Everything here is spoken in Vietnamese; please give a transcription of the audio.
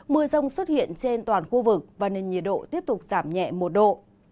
mưa rông xuất hiện trên toàn khu vực và nên nhiệt độ tiếp tục giảm nhẹ một độ